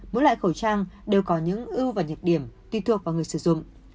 mỗi loại khẩu trang đều có những ưu và nhược điểm tùy thuộc vào người sử dụng